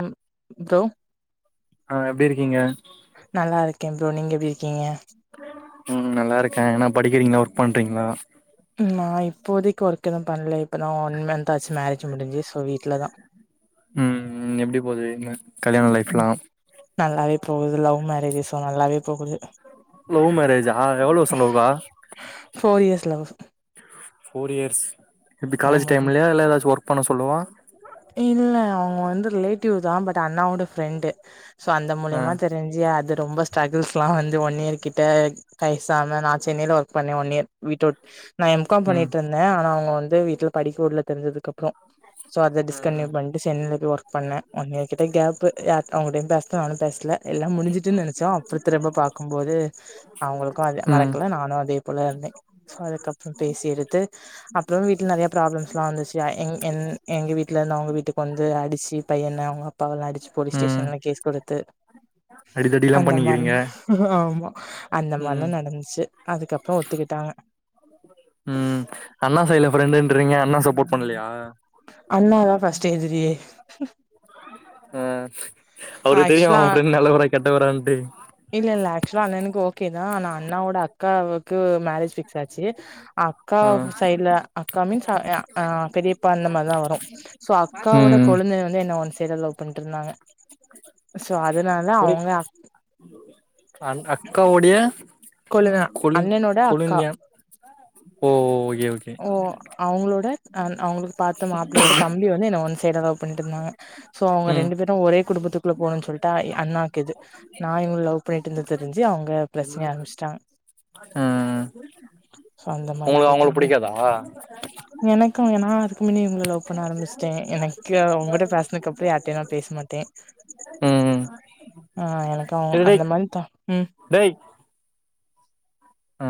அம் தோ ஆ எப்டி இருக்கீங்க நல்லா இருக்கே ப்ரோ நீங்க எப்டி இருக்கீங்க ம் நல்லா இருக்கே என்ன படிக்கிறீங்களா ஒர்க் பண்றிங்களா நா இப்போதைக்கு ஒர்க் எதுவு பண்ணல இப்பதா ஒன் மந்த் ஆச்சு மேரேஜ் முடிஞ்சு சோ வீட்லதா ம் ம் எப்டி போது கல்யாண லைஃப் எல்லா நல்லாவே போகுது லவ் மேரேஜ் சோ நல்லாவே போகுது லவ் மேரேஜா எவ்ளோ வருச லவுக்கா four years love four years எப்டி காலேஜ் ஆமா டைம்ல்லயா இல்ல ஏதாச்சு ஒர்க் பண்ண சொல்லுவா இல்ல அவங்க வந்து ரிலேட்டிவ் தா பட் அண்ணாவோட ஃப்ரெண்டு சோ அந்த ஆ மூலியமா தெரிஞ்சு அது ரொம்ப ஸ்ட்ரகுள்ஸ் எல்லா வந்து ஒன் இயர் கிட்ட கைசாம நா சென்னையில ஒர்க் பண்ணே ஒன் இயர் வீட்டோட் நா எம் காம் ம் பண்ணிட்டு இருந்தே ஆனா அவுங்க வந்து வீட்டுல படிக்கவுடல தெரிஞ்சதுக்கு அப்புறோ ஸோ அத ம் டிஸ்கண்டியூ பண்ட்டு சென்னைல போய் ஒர்க் பண்ணே ஒன் இயர்கிட்ட கேப்பு எ அவங்கிட்டயு பேசல நானு பேசல எல்லா முடிஞ்சுட்டுன்னு நெனைச்சோ அப்புறோ திரும்ப பாக்கும்போது அவங்களுக்கு அத ம் மறக்கல நானு அதே போல வே சோ அதுக்கப்புற பேசி எடுத்து அப்புறோ வீட்டுல நெறைய ப்ராப்ளம்ஸ் எல்லா வந்துச்சு எ எங் என் எங்க வீட்டுல இருந்து அவுங்க வீட்டுக்கு வந்து அடிச்சு பையனை அவங்க அப்பாவல்லா அடிச்சு போலீஸ் ம் ஸ்டேஷன்ல கேஸ் குடுத்து அடிதடிலா அந்த பண்ணிக்கிறீங்க மாரில்லா ஆமா அந்த ம் மாரில்லா நடந்துச்சு அதுக்கப்புறோ ஒத்துக்கிட்டாங்க ம் அண்ணா சைட்ல ஃப்ரெண்டுன்றீங்க அண்ணா சப்போர்ட் பண்ணலையா அண்ணாதா ஃபஸ்ட் எதிரியே ம் அவருக்கு தெரியு ஆக்சுவலா அவர் ப்ரெண்டு நல்லவரா கெட்டவரான்று இல்ல இல்ல ஆக்சுவலா அண்ணனுக்கு ஓகே தா ஆனா அண்ணாவோட அக்காவுக்கு மேரேஜ் ஃபிக்ஸ் சாச்சி அக்கா ஆ சைட்ல அக்கா மீன்ஸ் அ அ அ பெரியப்பா அந்த மாரிதா வரு சோ அக்காவோட ம் கொழுந்தன் வந்து என்ன ஒன் சைடா லவ் பண்ணிட்டு இருந்தாங்க சோ அதுனால அவுங்க ஆ அ அக்காவுடைய கொழுந்தன் கொழ் அண்ணனோட அக்கா கொழுய ஓ ஓய் ஓ அவங்களோட அண் அவங்களுக்கு பாத்த மாப்பிள்ளையோட தம்பி வந்து என்ன ஒன் சைடா லவ் பண்ணிட்டு இருந்தாங்க சோ அவ்ங்க ம் ரெண்டு பேரு ஒரே குடும்பத்துக்குள்ள போனுன்னு சொல்லிட்டா எ அண்ணாக்கு இது நா இவங்கள லவ் பண்ணிட்டு இருந்து தெரிஞ்சு அவ்ங்க பிரச்சனைய ஆரம்பிச்சிட்டாங்க அ அந்த மாரி உங்களுக்கு போயிட்டு அவங்கள இருந்தே புடிக்காதா எனக்கு எ நா அது க்குமின்னே இவங்கள லவ் பண்ண ஆரம்பிச்சிட்டே எனக் [unintelligible] உங்கட்ட பேசினதுக்குப்புற யார்ட்டையு நா பேச மாட்டே ம் ஆ எனக்கு இது டேய் அந்த மாரிப்பா ம் ஆ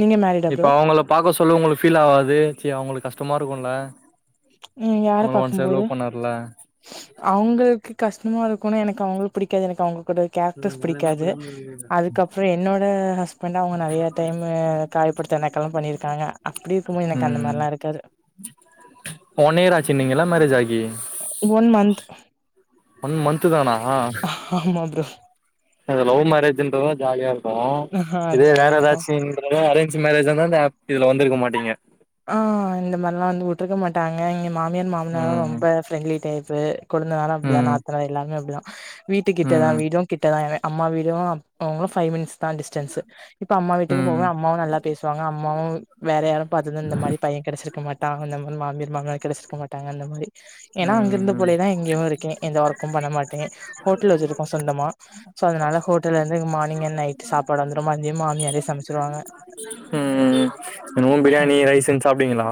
நீங்க மேரிடா இப்ப ப்ரோ அவங்கள பாக்க சொல்ல உங்களுக்கு ஃபீல் ஆகாது ச்சி அவங்களுக்கு கஷ்டமா இருக்குல ம் யார பாக்குபோது அவங்கள்க்கு கஷ்டமா இருக் போன எனக்கு அவங்கள பிடிக்காது எனக்கு அவங்க ரோட ம் கேரக்டர்ஸ் எல்லாமே பிடிக்காது அப்டிதா ப்ரோ அதுக்கப்புற என்னோட ஹஸ்பண்ட் அவங்க நெறய டைம் [unintelligible] ஏற்ப்படுத்த நக்கலு பண்ணிருக்காங்க அப்படி இருக்கு போது எனக்கு அந்த மாரிலா இருக்காது ஒன்னியர் ஆச்சுனீங்கல்ல மேரேஜ் ஆயி ஒன் மந்த் ஒன் மந்த் தானா ஆமா ப்ரோ அது லவ் மரேஜ்ன்றது தா ஜாலியா இருக் ப்போ ஆ இதுவே வேற ஜாலியா இருக்கு எதாச்சுண்றத அரேஞ் மேரேஜ்ஜா இருந்தா இந்த ஆப் இதுல வந்திருக்க மாட்டீங்க ஆ இந்த மாரில்லா வந்து உட்ருக்க மாட்டாங்க எங்க மாமியார் மாமனாரு ம் ரொம்ப ஃப்ரெண்ட்லி டைப் ஃபே கொழுந்தனாலு அப்படிதா ம் நாத்தனா எல்லாமே அப்படிதா வீட்டுக்கிட்ட தா ம் வீடு கிட்டதான அம்மா வீடு அப்பாவு ஃபைவ் மினிட்ஸ் தா டிஸ்டன்ஸ் இப்ப அம்மா வீட்டுக்கு ம் போவ அம்மாவு நல்லா பேசுவாங்க அம்மாவு வேற யாரு பாத் இந்தந்த மாரி பைய கெடச்சிருக்க மாட்டா அந்த மாரி மாமியார் மாமனார் கெடச்சிருக்க மாட்டாங்க அந்தமாரி ஏன்னா ம் அங்கிருந்த ம் போலயேதா இங்கேயு இருக்கே எந்த ஒர்க்கு பண்ண மாட்டே ஹோட்டல் வச்சிருக்கோ சொந்தமா சோ அதனால ஹோட்டல்ல இருந்து மார்னிங் அண்ட் நைட் சாப்பாடு வந்துரு மதிய மாமியாரே சமச்சிருவாங்க ம் [unintelligible] பிரியாணி ரைசுன் சாப்டுவீங்களா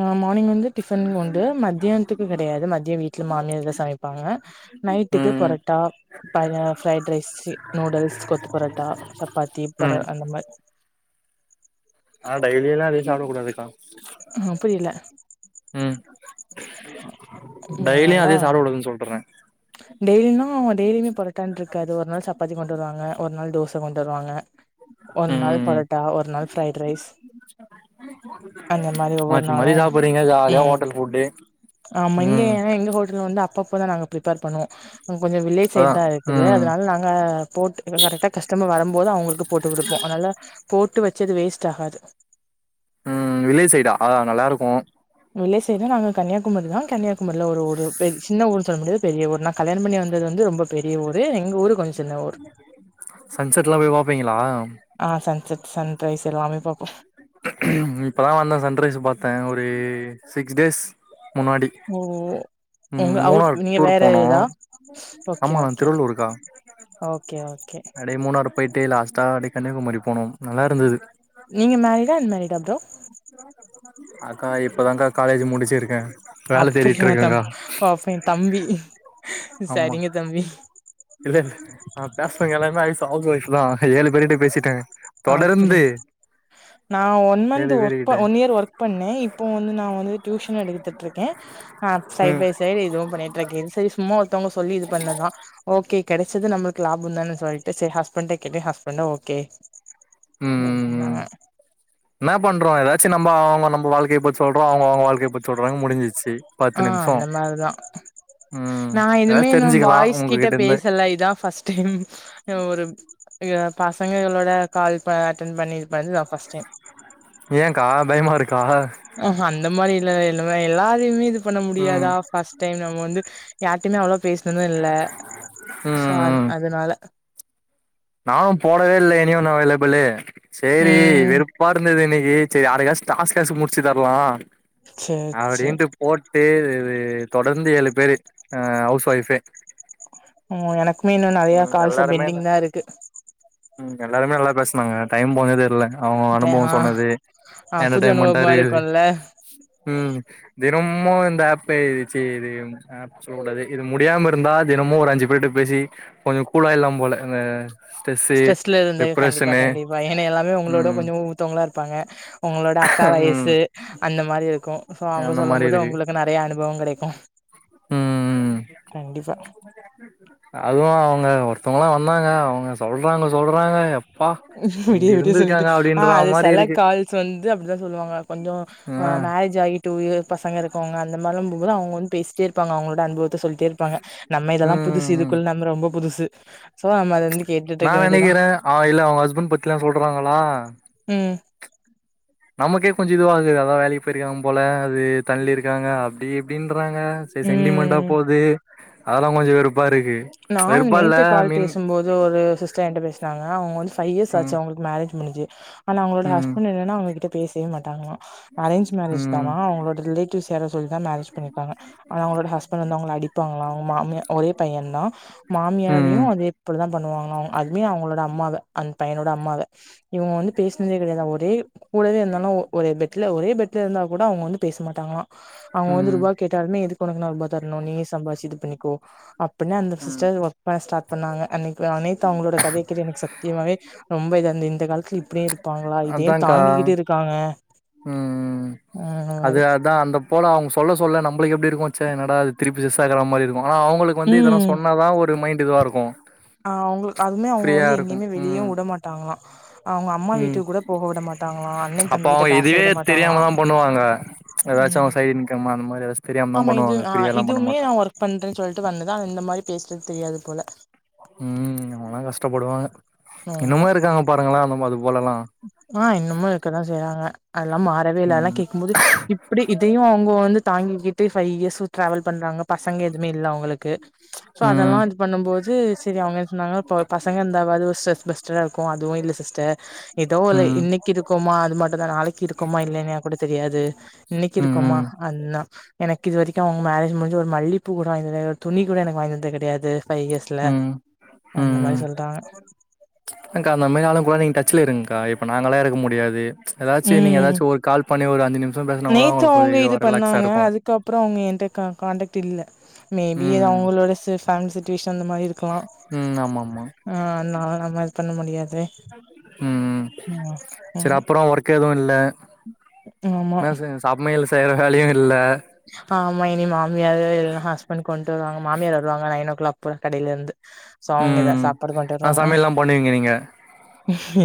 ஆ மார்னிங் வந்து டிபன் கொண்டு மத்தியானத்துக்கு கெடையாது மதிய வீட்ல மாமியார் சமைப்பாங்க நைட்டுக்கு ம் பரட்டா ப பல fried rice noodles kothu parotta chapati பர அந்த மாரி ஆ டைலில்லா அதே சாப்ட கூடாதுக்கா ஆ புரில டைய்லியு அதனால அதே சாப்ட கூடாதுன்னு சொல்ட்ற டெய்லினா டெய்லியுமே பொரட்டான் இருக்காது ஒரு நாள் சப்பாத்தி கொண்டு வருவாங்க ஒரு நாள் தோச கொண்டு வருவாங்க ஒரு நாள் ம் பரோட்டா ஒரு நாள் ஃப்ரைட் ரைஸ் அந்த மாரி ஒவ்வொரு மாத்தி நாளு மாத்தி சாப்புறீங்க ஜாலியா ம் ஹோட்டல் ஃபுட்டு ஆமா இங்க ம் ஏன்னா எங்க ஹோட்டல்ல வந்து அப்பப்பதா நாங்க பிரிப்பேர் பண்ணுவோ கொஞ்சோ வில்லேஜ் அதா சைட்தா இருக்குது ம் அதனால நாங்க போட்டு கரெக்டா கஸ்டமர் வருபோது அவங்களுக்கு போட்டு குடுப்போ நல்லா போட்டு வச்சது வேஸ்ட் ஆகாது ம் வில்லேஜ் சைடா நல்லாருக்கு வில்லேஜ் சைடு நாங்க கன்னியாகுமரிதா கன்னியாகுமரில ஒரு ஊரு சின்ன ஊர்ன்னு சொல்ல முடியாது பெரிய ஊர் நா கல்யாண பண்ணி வந்தது வந்து ரொம்ப பெரிய ஊரு எங்க ஊரு கொஞ்சோ சின்ன ஊர் சன்செட்லா போய் பாப்பீங்களா ஆ சன்செட் சன்ரைஸ் எல்லாமே பாப்போ இப்பதா வந்தே சன் ரைஸ் பாத்தே ஒரு சிக் டேஸ் முன்னாடி ஓ ம் உங்க அவுட் மூணார் நீங்க டூர் வேற போனோ எதா ஓகே ஆமா நா ஓகே திருவள்ளூர்க்கா ஓகே அப்டியே மூணாரு போய்ட்டு லாஸ்ட்டா அப்டியே கன்னியாகுமரி போனோ நல்லா இருந்துது நீங்க மேரிடா அன்மேரிடா ப்ரோ அக்கா இப்பதான்க்கா காலேஜ் முடிச்சிருக்கே வேல தேடிட்டு அப்படியாதா இருக்கேக்கா ஓ அப்ப எ தம்பி ஆமா சரிங்க தம்பி இல்லல ஆ நா பேசுன எல்லாமே ஹவுஸ் ஒயிஃப் தா ஏழு பேருட்ட பேசிட்ட தொடர்ந்து அப்டியா நா ஒன் மந்த் ஏழு பேருகிட் ஒர்க் ஒன் இயர் ஒர்க் பண்ணேன் இப்ப வந்து நா வந்து டியூஷன் எடுத்துட்டுருக்கே ஆ சைட் ம் பை சைடு் இதுவு பண்ணிட்ருக்கே இது சரி சும்மா ஒருத்தவங்க சொல்லி இது பண்ணுதா ஓகே கெடச்சது நம்மளுக்கு லாபந்தான்னு சொல்ட்டு செ ஹஸ்பண்ட கேட்டே ஹஸ்பண்ட்டு ஓகே ம் ம் ம் சொன்னாங்க என்ன பண்றோ எதாச்சு நம்ப அவுங்க நம் வாழ்கைய பத் சொல்றோ அவுங்க அவுங்க வாழ்க்கைய பத்தி சொல்றாங்க முடிஞ்சுச்சு ஆ அந்த மார்தா ம் நா எதுவுமே ஏதாச்சு இன்னு தெரிஞ்சுக்கலா பாய்ஸ் கிட்ட உங்ககிட்ட இருந்து பேசல இதா பஸ்ட் டைம் ஒரு க பசங்களங்களோட கால் ப அட்டன் பண்ணி இது பண்ந்தா பஸ்ட் டைம் ஏங்கா பயமாருக் ஆ ஹா அந்த மாரி இல்ல இல்லங்க எல்லாரையுமே இது பண்ண ம் முடியாதா பஸ்ட் டைம் நம்ம வந்து யார்டையுமே அவ்ளோவா பேஸ்னது இல்ல சோ ம் அந் ம் அதுனால நானு போடவே இல்ல எனி ஒன்னு அவேலபுளு சேரி ம் வெறுப்பா இருந்துது இன்னைக் ஏ செரி அரை காஸ்க்கு டாஸ் காய்ச்சும் முடிச்சு தரலா சேரி சேரி அப்டின்ட்டு போட்டு இது தொடர்ந்து ஏழு பேரு அ ஹவுஸ் ஒய்ஃபே ம் எனக்குமே இன்னு நெறையா ம் கால்ச எல்லாருமே பெண்டிங் தா இருக்கு எல்லாருமே நல்லா பேஸ்னாங்க டைம் போன்னதே தெர்லங்க அவுங்க அனுபவோ ஆ சொன்னது ஆ புது என்டர்டமென்டா அனுபவமா இருக்குது இருக்குல்ல ம் ம் தினமு இந்த ஆஃப்பே சி இது ஆஃப் சொல்லக்கூடாது இது முடியாம இருந்தா தினமு ஒரு அஞ்சு பேர்ட பேசி ரி கொஞ்ச கூழாயில்லா போல ந ஸ்ட்ரெஸ்ல இருந்தங்க கண்டிப்பா கண்டிப்பா ஏன்னா எல்லாமே உங்களோட ம் கொஞ்ச ஊத்தவங்களா இருப்பாங்க உங்களோட அக்கா ம் வயசு அந்த மாரி இருக்கு சோ அவுங்க அந்த சொல்லும் மாரி போது இருக்கு உங்களுக்கு நெறையா அனுபவோ கெடைக்கு ம் ம் கண்டிப்பா வோ அவுங்க ஒருத்தவுங்லா வந்தாங்க அவுங்க சொல்றாங்க சொல்றாங்க எப் விடிய விடிய சொல்லிட்டு ஆ அது மாரி செல இருக்கு கால்ஸ் வந்து அப்டித்தா சொல்லுவாங்க கொஞ்சோ ஆ மேரேஜ் ஆயி டூ இயர் பசங்க இருக்கவுங்க அந்த மாரிலும்போது அவுங்க வந்து பேசிட்டே இருப்பாங்க அவுங்களோட அனுபவத் த்த சொல்ட்டே இருப்பாங்க நம்ம இதெல்லாம் ம் புதுசு ம் இதுக்குள்ள நம்ம ரொம்ப புதுசு சோ நம்ம அத வந்து கேட்டுட்டு நா இருக்க வேண்டியதா நெனக்கிறே அவ இல்ல அவுங்க ஹஸ்பண்ட் பத்திலா சொல்றாங்களா ம் நமக்கே கொஞ்ச இதுவாகுது அதா வேலக்கி போயிருக்காங்க போல அது தள்ளி இருக்குறாங்க அப்டி இப்டின் றாங்க செ செண்டிமண்டா ம் போவ்து அதெல்லா கொஞ்ச வெறுப் நானு நேத்து கால் பேசும்போது ஒரு சிஸ்டர் என்ட்ட பேஸ் தாங்ங அவுங்க வந்து பை இயர்ஸ் ஆச்சு ம் அவுங்களுக்கு மேரேஜ் முடுஞ்சு ஆனா அவுங்களோட ம் ஹஸ்பண்ட் என்னன்னா அவுங்ககிட்ட பேசவே மாட்டாங்களா அரேஞ் மேரேஜ் ம் தானா அவுங்களோட ரிலேட்டிவ் யாரோ சொல்லிதா மேரேஜ் பண்ணிருக்காங்க ஆனா அவுங்களோட ஹஸ்பண்ட் வந்து அவுங்கள அடிப் பாங்களா அவுங்க மாமியார் ஒரே பையன் தா மாமியாரையு ம் அதே போலதா பண்ணுவாங்கால அவுங்க அதுமே அவுங்களோட அம்மாவ அண்ட் பையனோட அம்மாவ இவுங்க வந்து பேசுனதே கெடையாதா ஒரே கூடவே இருந்தாலு ஒ ஒரே பெட்ல ஒரே பெட் ல இருந்தா கூட அவுங்க வந்து பேச மாட்டாங்களா அவுங்க வந்து ம் ரூபா கேட்டாலுமே எதுக்கு ஒனக்கு நா ரூபா தரணு நீயே சம்பாத்ச்சு இது பண்ணிக்கோ அப்டின்னு அந்த ம் சிஸ்டர் ஒர்க் பண்ண ஸார்ட் பண்ணாங்க அன்னைக் அனைத்து அவுங்களோட கதைய கேட்டு எனக்கு சத்தியமாவே ரொம்ப இதுவாந்து இந்த காலத்துல இப்டியு இருப்பாங்களா இதையு தாங்கி க்கிட்டு இருக்காங்க உம் ம் அது மாரி போலா அவுங்க சொல்ல சொல்ல நம்பளுக்கு எப்டி இருக்கு ச்ச என்னடாயிது திருப்பி செஸ் ஆகுற மாரி இருக்கு வாங்கலா அவுங்களுக்கு வந்து இதெல்லா ம் சொன்னாதா ஒரு மைண்ட்டு இதுவா இருக்கு அ அவுங்களுக் அதுவுமே அவுங்க ஃப்ரீயா வந்து இருக்கு எங்கேயுமே வெளியே ம் வுட மாட்டாங்களா அவுங்க அம்மா ம் வீட்டுக்கு கூட போக விட மாட்டாங் ங்களா அண்ணே அப்ப தம்பிக்கிட்ட அவங்க பேச இதுவே விட மாட்டாங்களா தெரியாம தா பண்ணுவாங்க ஏதாச்சு ம் அவங்க சைடு இன்கம் அந்த மாரி ஏதாச்சு தெரியாம தா ஆமா இது பண்ணுவாங்க ஆ ஃப்ரீயாலா பண்ண இதுவுமே நா மாட்டாங்க ஒர்க் பண்றேன்னு சொல்ட்டு வந்துதா அத இந்த மாரி பேஸ் ட்டு தெரியாது போல ம் ம் அவல்லா கஷ்டப்படுவாங்க என்னமோ இன்னுமு இருக்காங்க பாருங்களே அந்தமாதுவு ஆ இன்னுமு இருக்கதா செய்றாங்க அதெல்லாம் மாறவேல அதல்லா ம் கேக்கும்போது இப்டி இதையு அவுங்க வந்து தாங்கிக்கிட்டு ஃபைவ் இயர்ஸ் டிரராவல் பண்றாங்க பசங்க எதுமே இல்ல அவங்களுக்கு சோ அதெல்லா ம் இது பண்ணும்போது சரி அவங் ன்ன சொன்னாங்கனா ப பசங்க இர்ந்தாவாது ஒரு ஸ்ட்ரெஸ் பஸ்ட்டரா இருக்கு அதுவு இல்ல சிஸ்டர் எதோ ஒல்ல ம் இன்னைக்கு இருக்கோமா அது மட்டுந்தா நாளைக்கு இருக்கோமா இல்லைன்னயா கூட தெரியாது இன்னைக்கு ம் இருக்கோமா ம் அன்னா எனக்கு இது வரைக்கு அவ்ங்க மேரேஜ் முடிஞ்சு ஒரு மல்லிப்பூ கூட வாங் தந்தது கெடையா ஒரு துணி கூட எனக்கு வாங் தந்தது கெடையாது ஃபைவ் இயர்ஸ்ல ம் அந்த மாரி சொல்றாங்க அதக்கா அந்த மாரி ஆளுங்க கூட நீங்க டச்ல இருங்க்கா ப்ப நாங்கள்ளா இருக்க முடியாது எதாச்சு நீங்க ம் எதாச்சு ஒரு கால் பண்ணி ஒரு அஞ்சு நிமிஷ் நேத்து அவங்க இது பண்ணாங்க அதுக்கப்பறோ அவங்க என்ட்ட க கான்டக்ட் இல்ல மேபி இது ம் அவங்களோட ஸ்ட்ரஸ் ஃபேம் சுச்சுவேஷன் அந்த மாரி இருக்கலா ம் ஆமா ஆமா அ நா அந் மாரி பண்ண முடியாது ம் ம் செர் ம் அப்பறோ ஒர்க் எதுவு இல்ல ஆமா என்ன செ சமையல் செய்ற வேலையு இல்ல ஆமா இனி மாமியார் எல்லா ஹஸ்பண்ட் கொண்டு வருவாங்க மாமியார் வருவாங்க நைன் ஓ கிளாக் போல கடைல இருந்து சோ அவங்க எதா ம் சாப்பாடு கொண்டு ஆ வருவாங்க சமையல்லா பண்ணுவீங்க நீங்க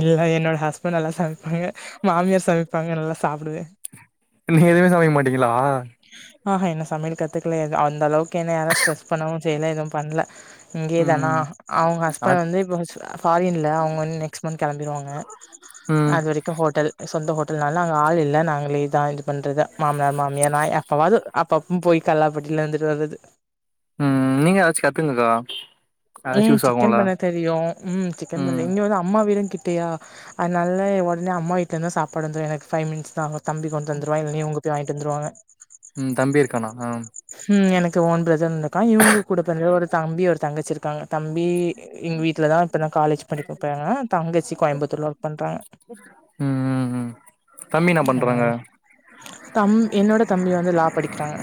இல்ல என்னோட ஹஸ் ப்ப நல்லா சமைப்பாங்க மாமியார் சமைப்பாங்க நல்லா சாப்புடுவே நீங்க எதுவுமே சமைக்க மாட்டீங்ளா ஆஹா இன்னு சமையல் கத்துக்கல அந்த அளவுக்கு என்ன யாரு ஸ்ட்ரெஸ் பண்ணவு செய்யல எதுவும் பண்ல இங்கே தானா ம் அவங்க ஆனா ஹஸ்பண்ட் வந்து இப்போ ஃப ஃபாரின்ல அவங்க வந்து நெக்ஸ்ட் மந்த் கெளம்பிருவாங்க ம் அது வரைக்கு ஹோட்டல் சொந்த ஹோட் அதுனால அங்க ஆள் இல்ல நாங்களேதா இது பண்றது மாமனார் மாம் ஏனா எப்பாவது அப்ப அப்பொம் போய் கல்லாப்பெட்டில இந்துட்டு வர்றது ம் நீங்கா எதிச்சு கத்துக்கங்க்கா ம் சிக்கன் பண்ண தெரியு ம் சிக்கன் பண்ண ம் இங்க வந்து அம்மா வீடு கிட்டயா அதனால ஒடனே அம்மா வீட்ல இருந்தே சாப்பாடு வந்துரு எனக்கு ஃபைவ் மினிட்ஸ்தா ஆகு தம்பி கொண்டு வந்துருவா இல்லைனா இவங்க போய் வாங்கிட்டு வந்துருவாங்க ம் தம்பி இருக்கானா ம் எனக்கு ஓன் பிரதர் இருக்கான் இவங்க கூட பெறந்த ஒரு தம்பி ஒரு தங்கச்சிருக்காங்க தம்பி எங்க வீட்லதா இப்பதா காலேஜ் படிக்க போராங்க தங்கச்சி கோயம்பத்தூர்ல ஒர்க் பண்றாங்க ம் ம் ம் தம்பி என்ன அ பண்றாங்க தம் என்னோட தம்பி வந்து லா படிக்கிறாங்க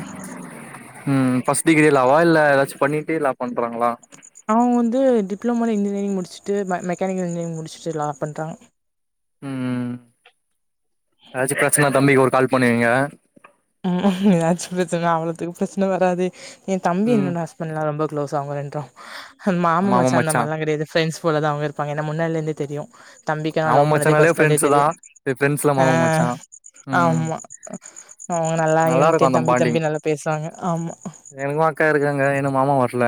டா எதாச்சும் பண்ணிட்டே லா பண்றாங்களா அவங்க வந்து டிப்ளமோல இன்ஜினியரிங் முடிச்சுட்டு மெ மெக்கானிக்கல் இன்ஜினியரிங் முடிச்சுட்டு லா பண்றாங்க. ம் எதாச்சு பிரச்சனா தம்பிக்கு ஒரு கால் பண்ணுவீங்க ம் எதாச்சும் பிரச்சனா அவ்ளோத்துக்கு பிரச்சன வராது என் தம்பி ம் என்னோட ஹஸ்பண்ட்லா ரொம்ப க்ளோஸ் அவங்க ரெண்டு மாம மச்சா அந்த மார்ல்லா கெடையாது ஃப்ரெண்ட்ஸ் போலதா அவங்க இருப்பாங்க நா முன்னாடில இருந்தே தெரியு தம்பிக்காக மாமா லவ் பண்ணதே மச்சானாலே ஃபர்ஸ்ட்லந்தே ஃப்ரெண்ட்ஸ் தா தெரியு இது ஃப்ரெண்ட்ஸ்ல ஆ மாமா மச்சா ம் ஆமா அவங்க நல்லா இருக்கு என்ட்ட அந்த தம்பி பாண்டிங் தம்பி நல்லா பேசுவாங்க ஆமா எனக்கு அக்கா இருக்காங்க இன்னு மாமா வர்ல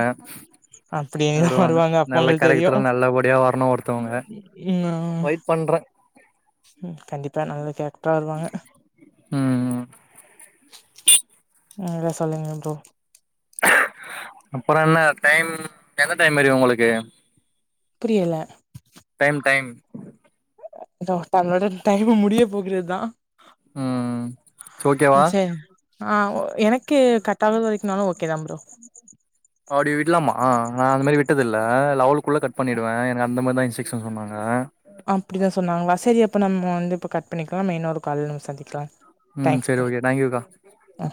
அப்டியேதா வருவாங்க அப்ப நல்ல உங்களுக்கு தெரியு கேரக்டர் நல்லபடியா வரணு ஒருத்தவங்க ம் வெயிட் பண்றே ம் கண்டிப்பா நல்ல கேரக்ட்ரா வருவாங்க. ம் நீங்களே சொல்லுங்க ப்ரோ அப்பறொ என்ன டைம் எந்த டைம் வரியும் உங்களுக்கு புரியல டைம் டைம் அபா தங்களோட டைம்மு முடிய போகிறதா ம் ஓக்கேவா சரி ஆ ஓ எனக்கே கட்டாத வரைக்குனாலு ஓகே தா ப்ரோ அப்டி விடலாமா நா அந்த மேரி விட்டது இல்ல லெவுலுக்குள்ள கட் பண்ணிடுவே எனக்கு அந்த மாத்ரிதா சிக்ஸோ சொன்னாங்க அப்டீதா சொன்னாங்களா சரி அப்ப நம்மோ வந்து இப்ப கட் பண்ணிக்கலா நம்ம இன்னோரு கால்ல சந்திக்கலா ம் தேங்க்ஸ் செரி ப்ரோ ஓகே தேங்க்யூக்கா ஆ